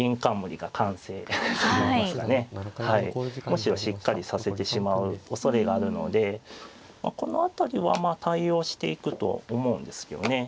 むしろしっかりさせてしまうおそれがあるのでこの辺りはまあ対応していくと思うんですけどね。